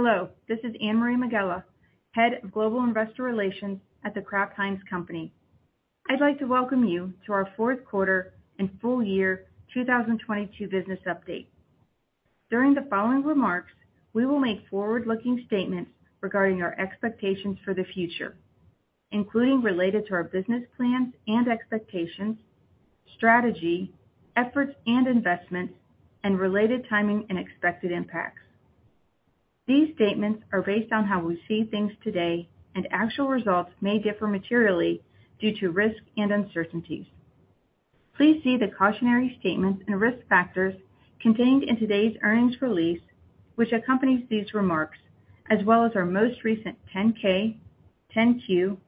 Hello, this is Anne-Marie Megela, Head of Global Investor Relations at The Kraft Heinz Company. I'd like to welcome you to our fourth quarter and full year 2022 business update. During the following remarks, we will make forward-looking statements regarding our expectations for the future, including related to our business plans and expectations, strategy, efforts and investments, and related timing and expected impacts. These statements are based on how we see things today and actual results may differ materially due to risks and uncertainties. Please see the cautionary statements and risk factors contained in today's earnings release, which accompanies these remarks, as well as our most recent 10-K, 10-Q,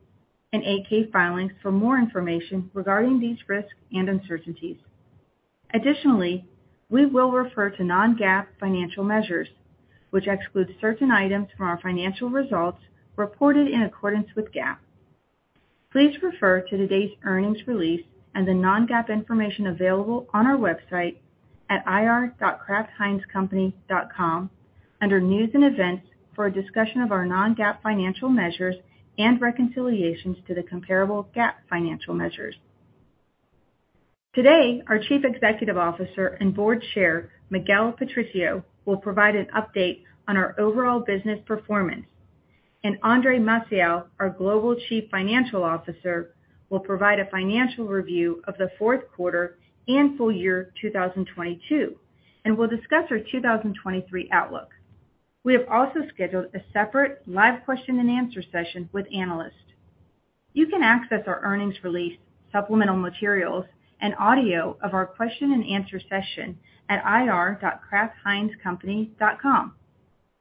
and 8-K filings for more information regarding these risks and uncertainties. Additionally, we will refer to non-GAAP financial measures, which excludes certain items from our financial results reported in accordance with GAAP. Please refer to today's earnings release and the non-GAAP information available on our website at ir.kraftheinzcompany.com under News & Events for a discussion of our non-GAAP financial measures and reconciliations to the comparable GAAP financial measures. Today, our Chief Executive Officer and Board Chair, Miguel Patricio, will provide an update on our overall business performance, and Andre Maciel, our Global Chief Financial Officer, will provide a financial review of the fourth quarter and full year 2022, and will discuss our 2023 outlook. We have also scheduled a separate live question-and-answer session with analysts. You can access our earnings release, supplemental materials, and audio of our question-and-answer session at ir.kraftheinzcompany.com.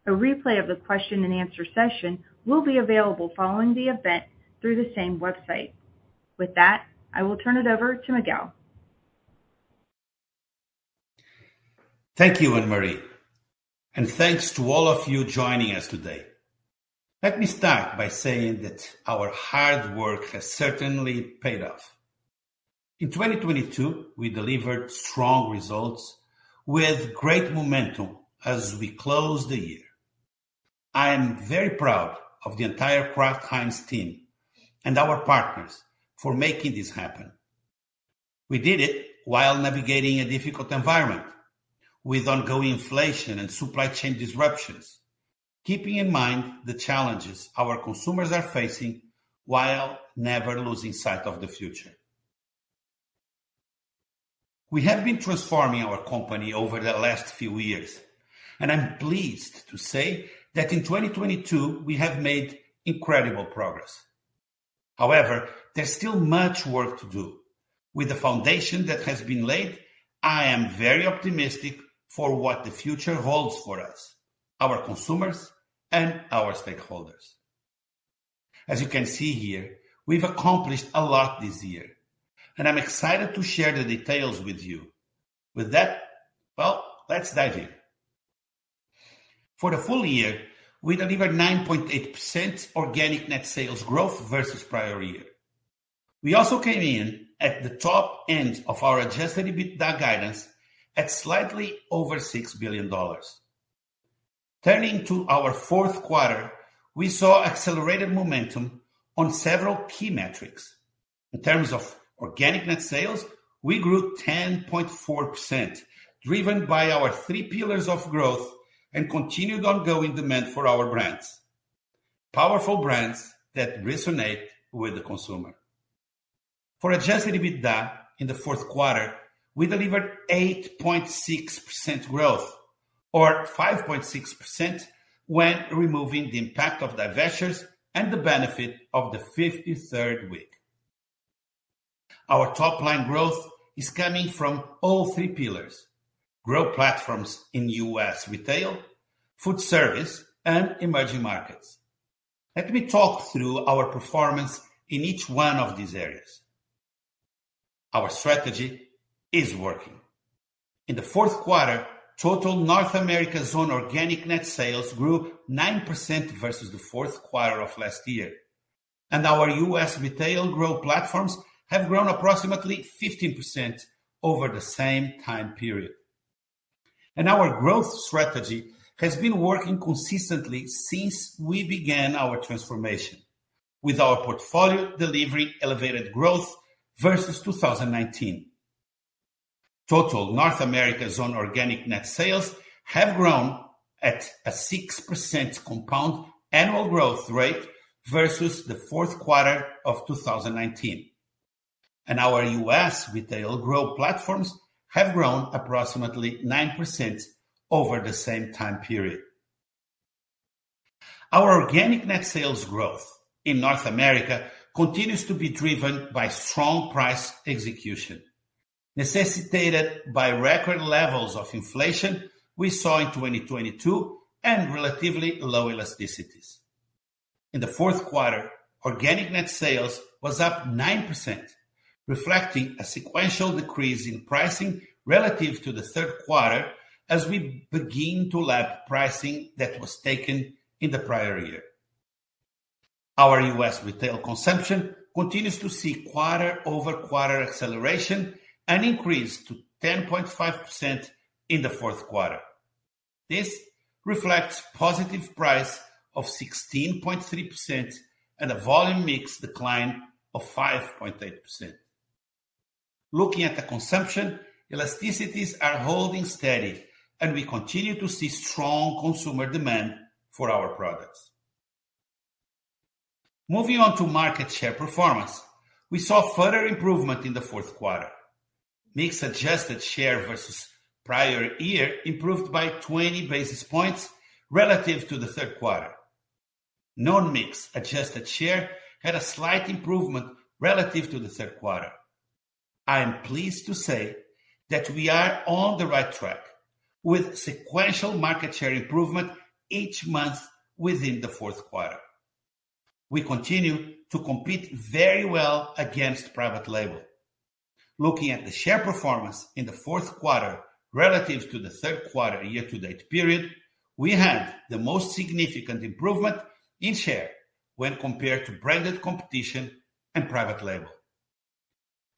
A replay of the question-and-answer session will be available following the event through the same website. With that, I will turn it over to Miguel. Thank you, Anne-Marie. Thanks to all of you joining us today. Let me start by saying that our hard work has certainly paid off. In 2022, we delivered strong results with great momentum as we close the year. I am very proud of the entire Kraft Heinz team and our partners for making this happen. We did it while navigating a difficult environment with ongoing inflation and supply chain disruptions, keeping in mind the challenges our consumers are facing while never losing sight of the future. We have been transforming our company over the last few years, and I'm pleased to say that in 2022 we have made incredible progress. However, there's still much work to do. With the foundation that has been laid, I am very optimistic for what the future holds for us, our consumers, and our stakeholders. As you can see here, we've accomplished a lot this year, and I'm excited to share the details with you. With that, well, let's dive in. For the full year, we delivered 9.8% Organic Net Sales growth versus prior year. We also came in at the top end of our Adjusted EBITDA guidance at slightly over $6 billion. Turning to our fourth quarter, we saw accelerated momentum on several key metrics. In terms of Organic Net Sales, we grew 10.4%, driven by our three pillars of growth and continued ongoing demand for our brands. Powerful brands that resonate with the consumer. For Adjusted EBITDA in the fourth quarter, we delivered 8.6% growth or 5.6% when removing the impact of divestitures and the benefit of the 53rd week. Our top line growth is coming from all three pillars: growth platforms in U.S. retail, food service, and emerging markets. Let me talk through our performance in each one of these areas. Our strategy is working. In the fourth quarter, total North America zone Organic Net Sales grew 9% versus the fourth quarter of last year. Our U.S. retail growth platforms have grown approximately 15% over the same time period. Our growth strategy has been working consistently since we began our transformation with our portfolio delivering elevated growth versus 2019. Total North America zone Organic Net Sales have grown at a 6% compound annual growth rate versus the fourth quarter of 2019. Our U.S. retail growth platforms have grown approximately 9% over the same time period. Our Organic Net Sales growth in North America continues to be driven by strong price execution, necessitated by record levels of inflation we saw in 2022 and relatively low elasticities. In the fourth quarter, Organic Net Sales was up 9%, reflecting a sequential decrease in pricing relative to the third quarter as we begin to lap pricing that was taken in the prior year. Our U.S. retail consumption continues to see quarter-over-quarter acceleration and increased to 10.5% in the fourth quarter. This reflects positive price of 16.3% and a volume mix decline of 5.8%. Looking at the consumption, elasticities are holding steady, and we continue to see strong consumer demand for our products. Moving on to market share performance. We saw further improvement in the fourth quarter. Mix adjusted share versus prior year improved by 20 basis points relative to the third quarter. Non-mix adjusted share had a slight improvement relative to the third quarter. I am pleased to say that we are on the right track with sequential market share improvement each month within the fourth quarter. We continue to compete very well against private label. Looking at the share performance in the fourth quarter relative to the third quarter year-to-date period, we had the most significant improvement in share when compared to branded competition and private label.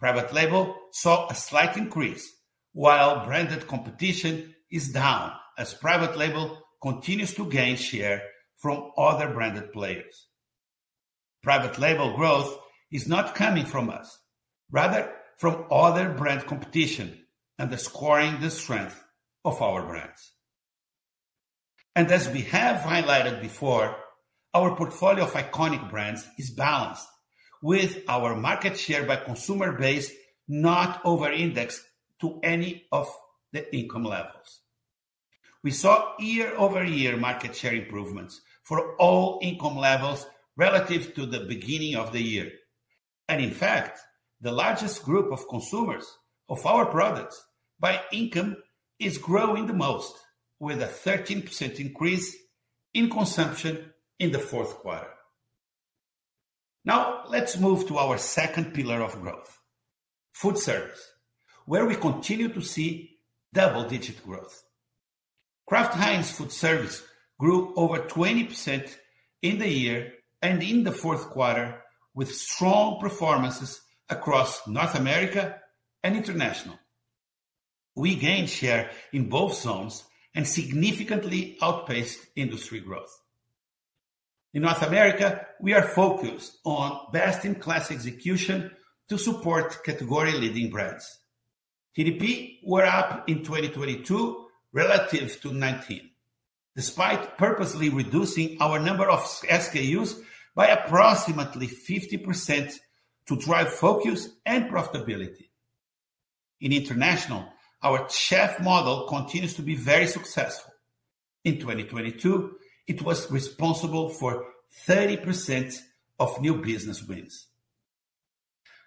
Private label saw a slight increase while branded competition is down as private label continues to gain share from other branded players. Private label growth is not coming from us, rather from other brand competition, underscoring the strength of our brands. As we have highlighted before, our portfolio of iconic brands is balanced with our market share by consumer base, not over-indexed to any of the income levels. We saw year-over-year market share improvements for all income levels relative to the beginning of the year. In fact, the largest group of consumers of our products by income is growing the most with a 13% increase in consumption in the fourth quarter. Let's move to our second pillar of growth, food service, where we continue to see double-digit growth. Kraft Heinz food service grew over 20% in the year and in the fourth quarter with strong performances across North America and International. We gained share in both zones and significantly outpaced industry growth. In North America, we are focused on best-in-class execution to support category-leading brands. TDP were up in 2022 relative to 2019, despite purposely reducing our number of SKUs by approximately 50% to drive focus and profitability. In international, our chef model continues to be very successful. In 2022, it was responsible for 30% of new business wins.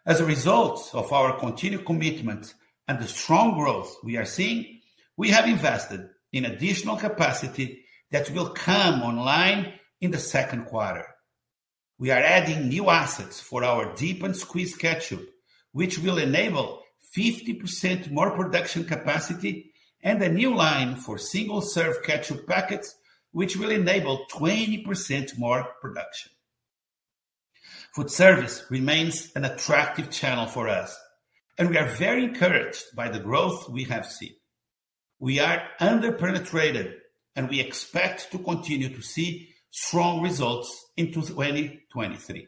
A result of our continued commitment and the strong growth we are seeing, we have invested in additional capacity that will come online in the second quarter. We are adding new assets for our Dip & Squeeze ketchup, which will enable 50% more production capacity and a new line for single-serve ketchup packets, which will enable 20% more production. Food service remains an attractive channel for us. We are very encouraged by the growth we have seen. We are under-penetrated. We expect to continue to see strong results in 2023.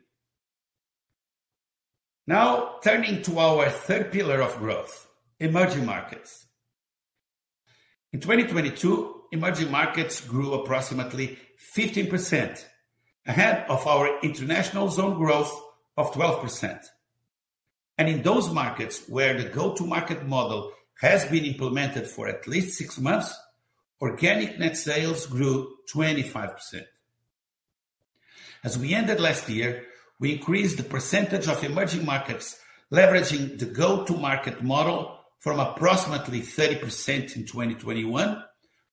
Now turning to our third pillar of growth, emerging markets. In 2022, emerging markets grew approximately 15%, ahead of our international zone growth of 12%. In those markets where the Go-to-Market Model has been implemented for at least 6 months, Organic Net Sales grew 25%. As we ended last year, we increased the percentage of emerging markets leveraging the Go-to-Market Model from approximately 30% in 2021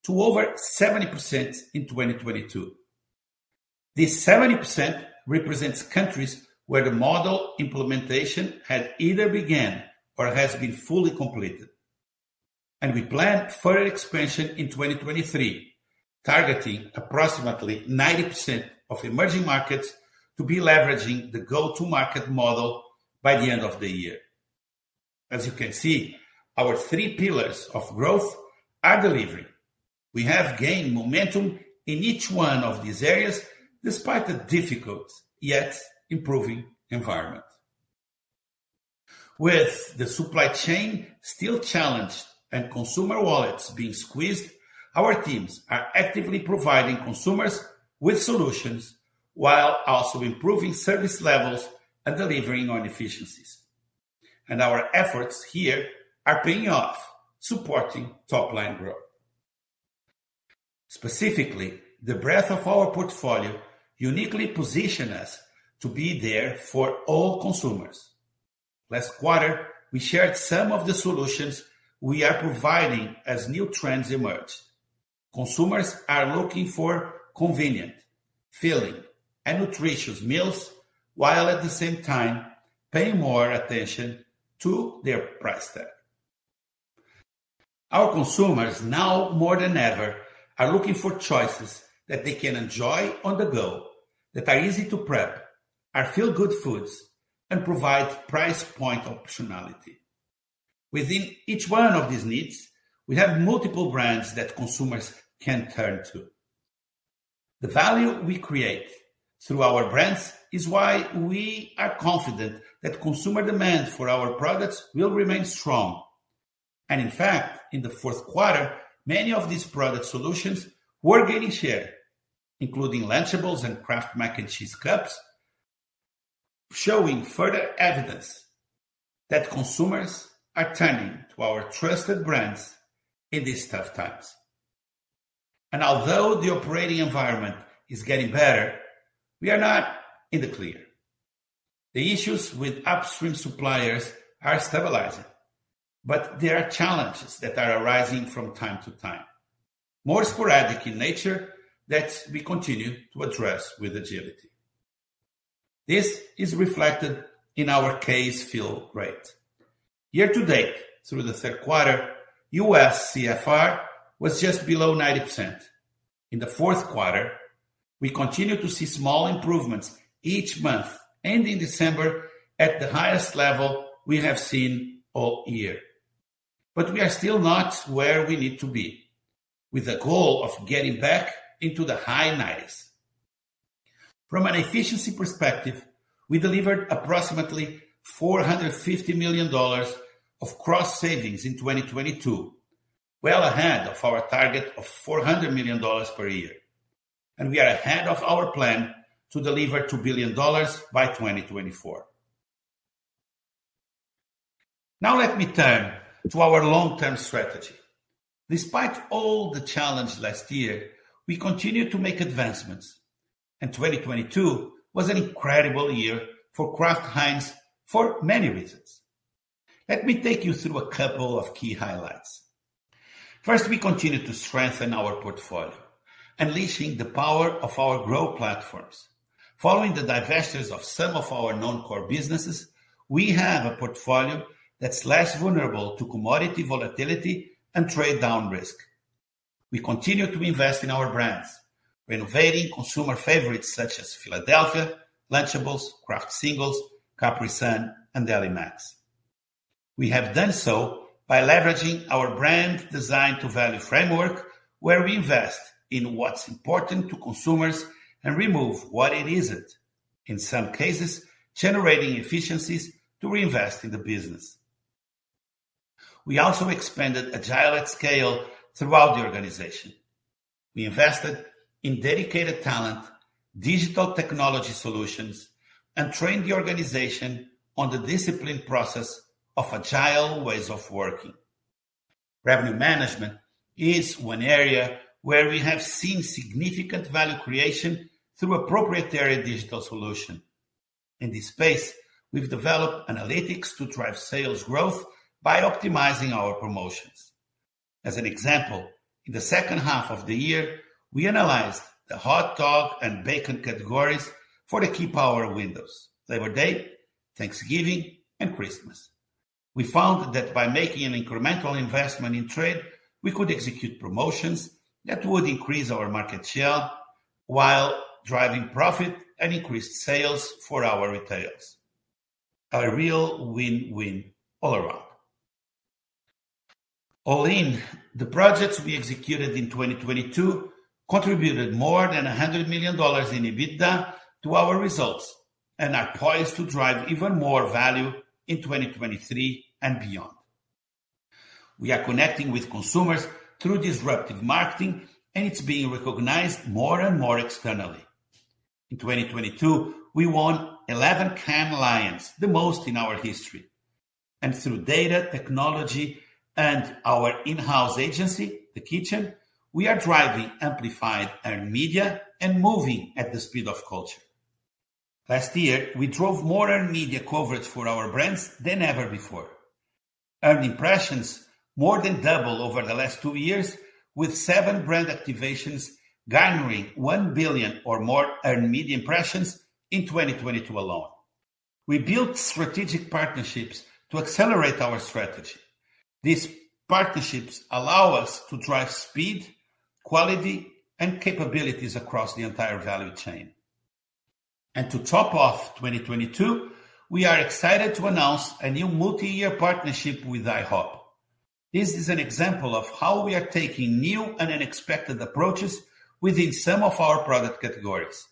to over 70% in 2022. This 70% represents countries where the model implementation had either began or has been fully completed. We plan further expansion in 2023, targeting approximately 90% of emerging markets to be leveraging the Go-to-Market Model by the end of the year. As you can see, our three pillars of growth are delivering. We have gained momentum in each one of these areas despite the difficult, yet improving environment. With the supply chain still challenged and consumer wallets being squeezed, our teams are actively providing consumers with solutions while also improving service levels and delivering on efficiencies. Our efforts here are paying off, supporting top line growth. Specifically, the breadth of our portfolio uniquely position us to be there for all consumers. Last quarter, we shared some of the solutions we are providing as new trends emerge. Consumers are looking for convenient, filling, and nutritious meals while at the same time paying more attention to their price tag. Our consumers now more than ever are looking for choices that they can enjoy on the go, that are easy to prep, are feel good foods, and provide price point optionality. Within each one of these needs, we have multiple brands that consumers can turn to. The value we create through our brands is why we are confident that consumer demand for our products will remain strong. In fact, in the fourth quarter, many of these product solutions were gaining share, including Lunchables and Kraft Mac & Cheese Cups, showing further evidence that consumers are turning to our trusted brands in these tough times. Although the operating environment is getting better, we are not in the clear. The issues with upstream suppliers are stabilizing, but there are challenges that are arising from time to time, more sporadic in nature that we continue to address with agility. This is reflected in our case fill rate. Year to date through the third quarter, U.S. CFR was just below 90%. In the fourth quarter, we continued to see small improvements each month, ending December at the highest level we have seen all year. We are still not where we need to be with the goal of getting back into the high nineties. From an efficiency perspective, we delivered approximately $450 million of cross-savings in 2022, well ahead of our target of $400 million per year, and we are ahead of our plan to deliver $2 billion by 2024. Let me turn to our long-term strategy. Despite all the challenge last year, we continued to make advancements, and 2022 was an incredible year for Kraft Heinz for many reasons. Let me take you through a couple of key highlights. First, we continued to strengthen our portfolio, unleashing the power of our growth platforms. Following the divestitures of some of our non-core businesses, we have a portfolio that's less vulnerable to commodity volatility and trade-down risk. We continue to invest in our brands, renovating consumer favorites such as Philadelphia, Lunchables, Kraft Singles, Capri-Sun, and Deli Max. We have done so by leveraging our brand design to value framework, where we invest in what's important to consumers and remove what it isn't, in some cases, generating efficiencies to reinvest in the business. We also expanded Agile@Scale throughout the organization. We invested in dedicated talent, digital technology solutions, and trained the organization on the disciplined process of agile ways of working. Revenue management is one area where we have seen significant value creation through a proprietary digital solution. In this space, we've developed analytics to drive sales growth by optimizing our promotions. As an example, in the second half of the year, we analyzed the hot-dog and bacon categories for the key power windows, Labor Day, Thanksgiving, and Christmas. We found that by making an incremental investment in trade, we could execute promotions that would increase our market share while driving profit and increased sales for our retailers. A real win-win all around. All in, the projects we executed in 2022 contributed more than $100 million in EBITDA to our results and are poised to drive even more value in 2023 and beyond. We are connecting with consumers through disruptive marketing. It's being recognized more and more externally. In 2022, we won 11 Cannes Lions, the most in our history. Through data technology and our in-house agency, The Kitchen, we are driving amplified earned media and moving at the speed of culture. Last year, we drove more earned media coverage for our brands than ever before. Earned impressions more than doubled over the last two years with seven brand activations garnering one billion or more earned media impressions in 2022 alone. We built strategic partnerships to accelerate our strategy. These partnerships allow us to drive speed, quality, and capabilities across the entire value chain. To top off 2022, we are excited to announce a new multi-year partnership with IHOP. This is an example of how we are taking new and unexpected approaches within some of our product categories.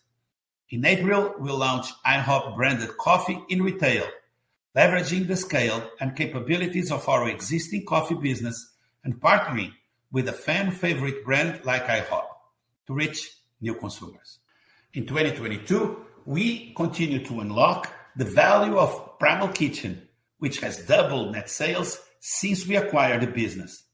In April, we'll launch IHOP-branded coffee in retail, leveraging the scale and capabilities of our existing coffee business and partnering with a fan-favorite brand like IHOP to reach new consumers. In 2022, we continued to unlock the value of Primal Kitchen, which has doubled net sales since we acquired the business.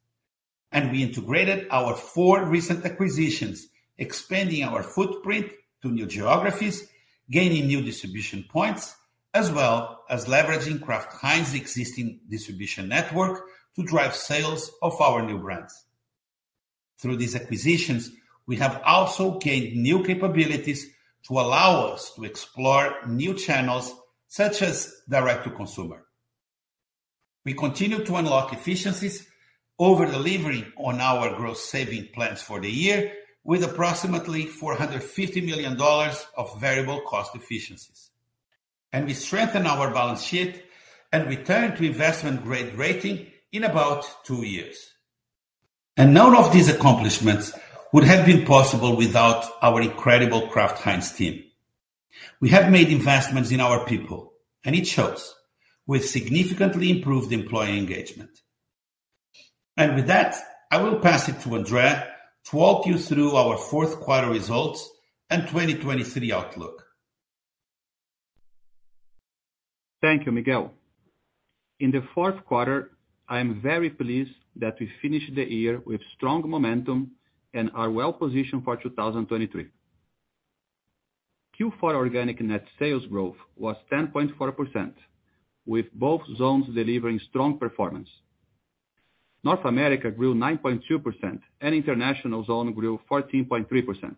We integrated our four recent acquisitions, expanding our footprint to new geographies, gaining new distribution points, as well as leveraging Kraft Heinz's existing distribution network to drive sales of our new brands. Through these acquisitions, we have also gained new capabilities to allow us to explore new channels such as direct-to-consumer. We continue to unlock efficiencies over-delivering on our gross saving plans for the year, with approximately $450 million of variable cost efficiencies. We strengthen our balance sheet and return to investment-grade rating in about two years. None of these accomplishments would have been possible without our incredible Kraft Heinz team. We have made investments in our people, and it shows. We've significantly improved employee engagement. With that, I will pass it to Andre to walk you through our fourth quarter results and 2023 outlook. Thank you, Miguel. In the fourth quarter, I am very pleased that we finished the year with strong momentum and are well-positioned for 2023. Q4 Organic Net Sales growth was 10.4%, with both zones delivering strong performance. North America grew 9.2%, and International zone grew 14.3%.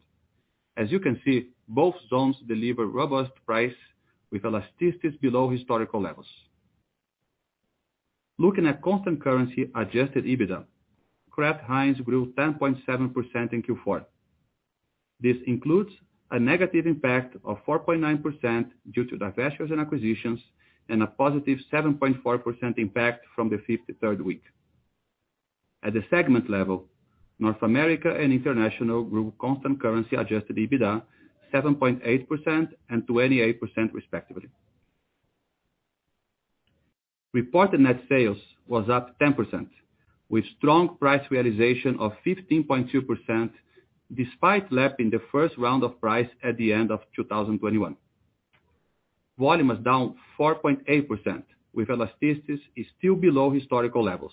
As you can see, both zones delivered robust price with elasticities below historical levels. Looking at Constant Currency Adjusted EBITDA, Kraft Heinz grew 10.7% in Q4. This includes a negative impact of 4.9% due to divestitures and acquisitions, and a positive 7.4% impact from the 53rd week. At the segment level, North America and International grew Constant Currency Adjusted EBITDA 7.8% and 28%, respectively. Reported net sales was up 10%, with strong price realization of 15.2% despite lapping the first round of price at the end of 2021. Volume was down 4.8%, with elasticities is still below historical levels.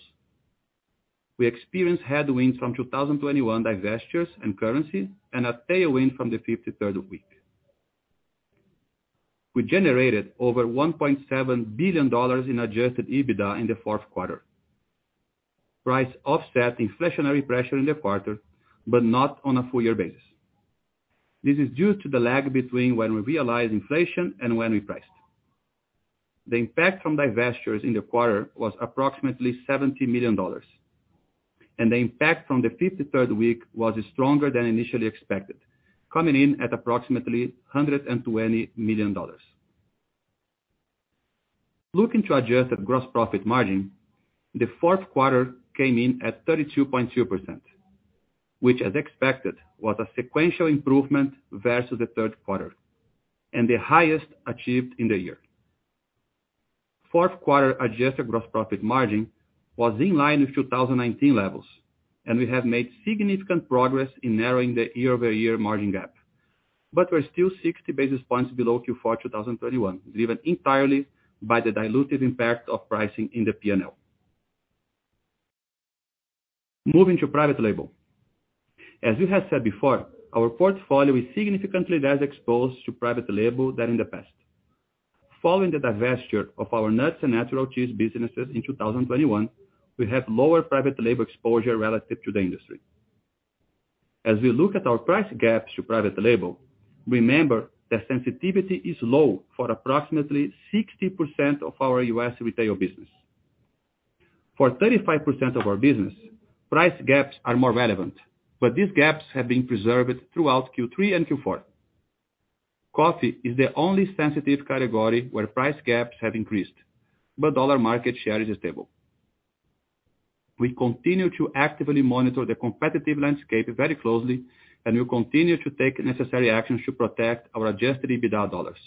We experienced headwinds from 2021 divestitures and currency, and a tailwind from the 53rd week. We generated over $1.7 billion in Adjusted EBITDA in the fourth quarter. Price offset inflationary pressure in the quarter, but not on a full year basis. This is due to the lag between when we realize inflation and when we priced. The impact from divestitures in the quarter was approximately $70 million, and the impact from the 53rd week was stronger than initially expected, coming in at approximately $120 million. Looking to Adjusted Gross Profit Margin, the fourth quarter came in at 32.2%, which as expected, was a sequential improvement versus the third quarter and the highest achieved in the year. Fourth quarter Adjusted Gross Profit Margin was in line with 2019 levels, and we have made significant progress in narrowing the year-over-year margin gap. We're still 60 basis points below Q4 2021, driven entirely by the dilutive impact of pricing in the P&L. Moving to private label. As we have said before, our portfolio is significantly less exposed to private label than in the past. Following the divestiture of our nuts and natural cheese businesses in 2021, we have lower private label exposure relative to the industry. As we look at our price gaps to private label, remember that sensitivity is low for approximately 60% of our U.S. retail business. For 35% of our business, price gaps are more relevant, but these gaps have been preserved throughout Q3 and Q4. Coffee is the only sensitive category where price gaps have increased, but dollar market share is stable. We continue to actively monitor the competitive landscape very closely, and we'll continue to take necessary actions to protect our Adjusted EBITDA dollars.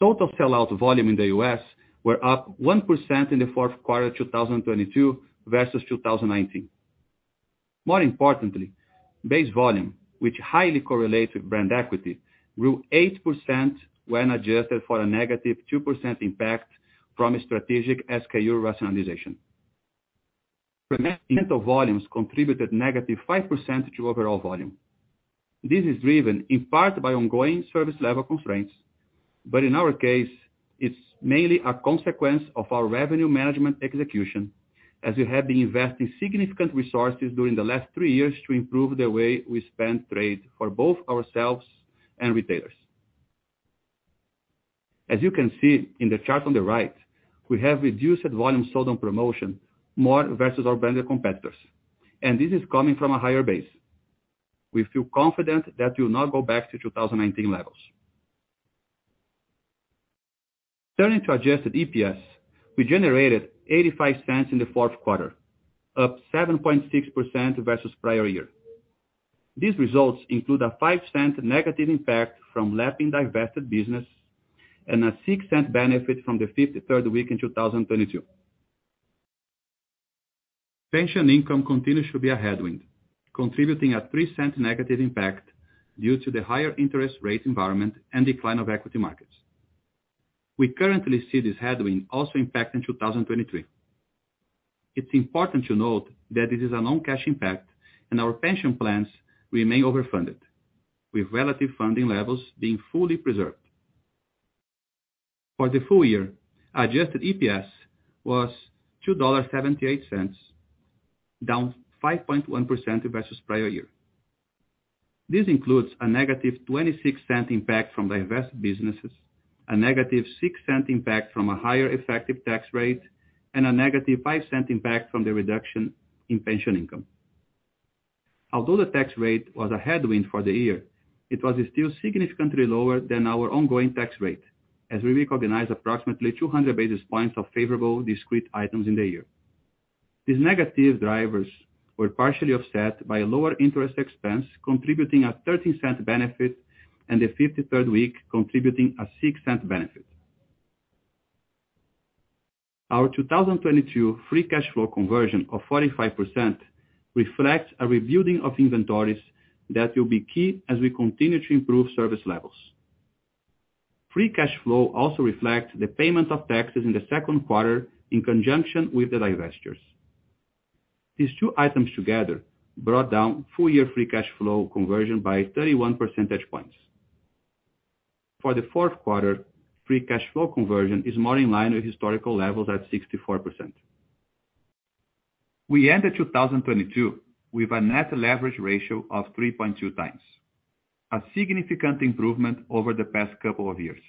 Total sell-out volume in the U.S. were up 1% in the fourth quarter 2022 versus 2019. More importantly, base volume, which highly correlates with brand equity, grew 8% when adjusted for a -2% impact from a strategic SKU rationalization. Inventory volumes contributed -5% to overall volume. This is driven in part by ongoing service level constraints. In our case, it's mainly a consequence of our revenue management execution, as we have been investing significant resources during the last three years to improve the way we spend trade for both ourselves and retailers. As you can see in the chart on the right, we have reduced volume sold on promotion more versus our branded competitors. This is coming from a higher base. We feel confident that we'll not go back to 2019 levels. Turning to Adjusted EPS, we generated $0.85 in the fourth quarter, up 7.6% versus prior year. These results include a $0.05 negative impact from lapping divested business and a $0.06 benefit from the 53rd week in 2022. Pension income continues to be a headwind, contributing a $0.03 negative impact due to the higher interest rate environment and decline of equity markets. We currently see this headwind also impact in 2023. It's important to note that this is a non-cash impact in our pension plans remain overfunded, with relative funding levels being fully preserved. For the full year, Adjusted EPS was $2.78, down 5.1% versus prior year. This includes a negative $0.26 impact from divested businesses, a negative $0.06 impact from a higher effective tax rate, and a negative $0.05 impact from the reduction in pension income. Although the tax rate was a headwind for the year, it was still significantly lower than our ongoing tax rate, as we recognized approximately 200 basis points of favorable discrete items in the year. These negative drivers were partially offset by lower interest expense, contributing a $0.13 benefit and the 53rd week contributing a $0.06 benefit. Our 2022 Free Cash Flow conversion of 45% reflects a rebuilding of inventories that will be key as we continue to improve service levels. Free Cash Flow also reflects the payment of taxes in the second quarter in conjunction with the divestitures. These two items together brought down full year Free Cash Flow conversion by 31 percentage points. For the fourth quarter, Free Cash Flow conversion is more in line with historical levels at 64%. We ended 2022 with a Net Leverage ratio of 3.2x, a significant improvement over the past couple of years.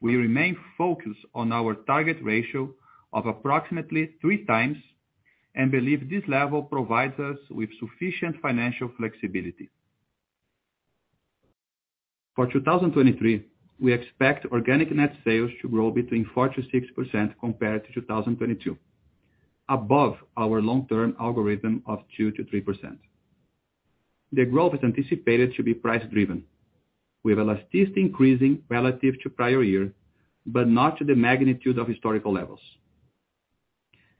We remain focused on our target ratio of approximately 3x and believe this level provides us with sufficient financial flexibility. For 2023, we expect Organic Net Sales to grow between 4%–6% compared to 2022, above our long-term algorithm of 2%–3%. The growth is anticipated to be price driven, with elasticity increasing relative to prior year, but not to the magnitude of historical levels.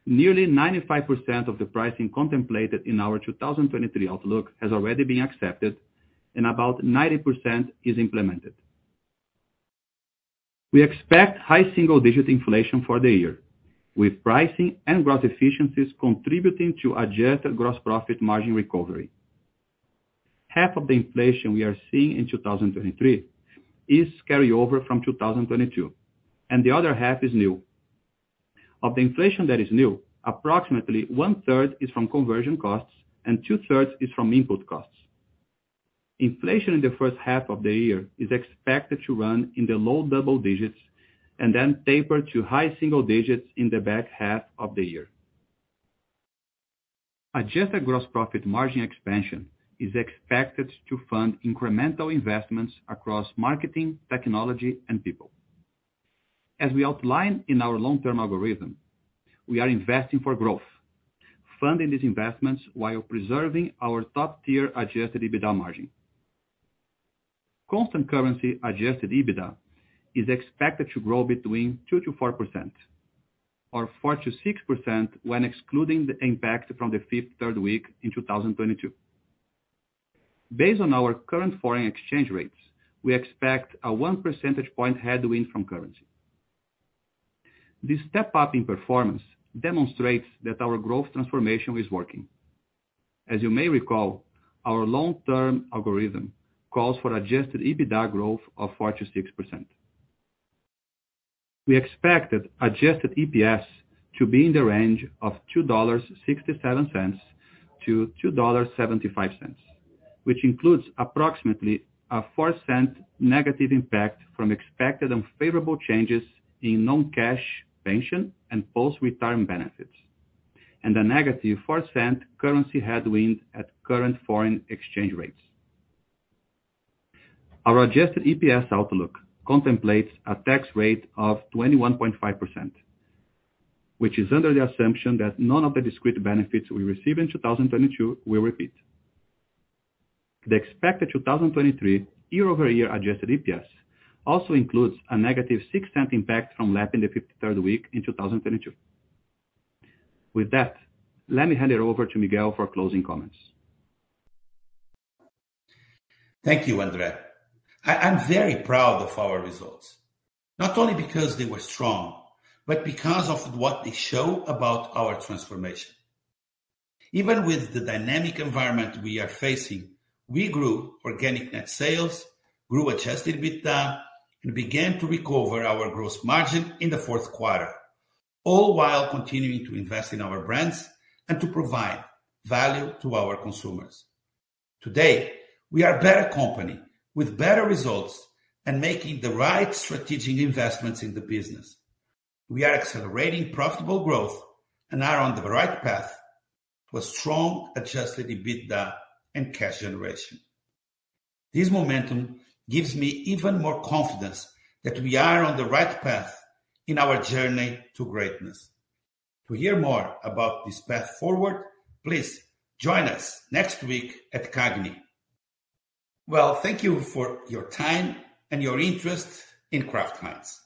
Nearly 95% of the pricing contemplated in our 2023 outlook has already been accepted and about 90% is implemented. We expect high single-digit inflation for the year, with pricing and growth efficiencies contributing to Adjusted Gross Profit Margin recovery. Half of the inflation we are seeing in 2023 is carryover from 2022, and the other half is new. Of the inflation that is new, approximately one-third is from conversion costs and two-thirds is from input costs. Inflation in the first half of the year is expected to run in the low double digits and then taper to high single digits in the back half of the year. Adjusted Gross Profit Margin expansion is expected to fund incremental investments across marketing, technology and people. As we outlined in our long-term algorithm, we are investing for growth, funding these investments while preserving our top-tier Adjusted EBITDA margin. Constant Currency Adjusted EBITDA is expected to grow between 2%–4% or 4%–6% when excluding the impact from the 53rd week in 2022. Based on our current foreign exchange rates, we expect a 1 percentage point headwind from currency. This step-up in performance demonstrates that our growth transformation is working. As you may recall, our long-term algorithm calls for Adjusted EBITDA growth of 4%–6%. We expect Adjusted EPS to be in the range of $2.67–$2.75, which includes approximately a $0.04 negative impact from expected unfavorable changes in non-cash pension and post-retirement benefits, and a negative $0.04 currency headwind at current foreign exchange rates. Our Adjusted EPS outlook contemplates a tax rate of 21.5%, which is under the assumption that none of the discrete benefits we received in 2022 will repeat. The expected 2023 year-over-year Adjusted EPS also includes a negative $0.06 impact from lapping the 53rd week in 2022. With that, let me hand it over to Miguel for closing comments. Thank you, Andre. I'm very proud of our results, not only because they were strong, but because of what they show about our transformation. Even with the dynamic environment we are facing, we grew Organic Net Sales, grew Adjusted EBITDA, and began to recover our gross margin in the fourth quarter, all while continuing to invest in our brands and to provide value to our consumers. Today, we are a better company with better results and making the right strategic investments in the business. We are accelerating profitable growth and are on the right path to a strong Adjusted EBITDA and cash generation. This momentum gives me even more confidence that we are on the right path in our journey to greatness. To hear more about this path forward, please join us next week at CAGNY. Well, thank you for your time and your interest in Kraft Heinz.